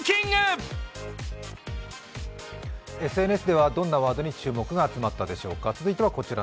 ＳＮＳではどんなワードに注目が集まったでしょうか。